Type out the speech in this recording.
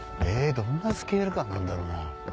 どんなスケール感なんだろうな？